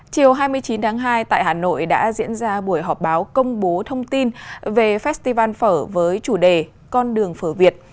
chiều hai mươi chín tháng hai tại hà nội đã diễn ra buổi họp báo công bố thông tin về festival phở với chủ đề con đường phở việt